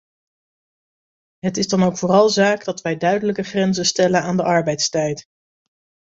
Het is dan ook vooral zaak dat wij duidelijke grenzen stellen aan de arbeidstijd.